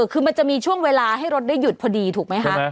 คือมันจะมีช่วงเวลาให้รถได้หยุดพอดีถูกไหมคะ